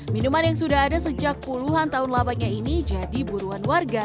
minuman yang sudah ada sejak puluhan tahun labanya ini jadi buruan warga